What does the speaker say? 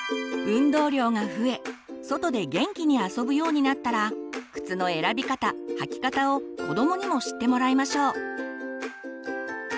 運動量が増え外で元気に遊ぶようになったら靴の選び方履き方を子どもにも知ってもらいましょう。